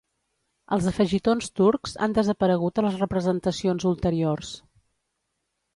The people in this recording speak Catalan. Els afegitons turcs han desaparegut a les representacions ulteriors.